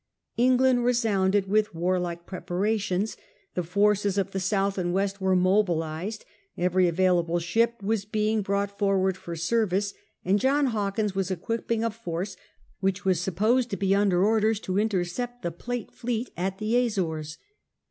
England resounded with warlike preparations; the forces of the south and west were mobilised; every available ship was being broudit forward for service; and John Hawkins was equipping a force which was supposed to be under orders to intercept the Plate fleet at the Azores.